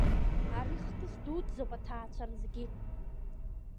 Ари хҭыс дуӡӡоуп аҭаацәа рзгьы.